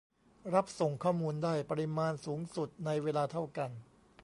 รับส่งข้อมูลได้ปริมาณสูงสุดในเวลาเท่ากัน